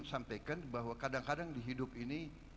sampaikan bahwa kadang kadang di hidup ini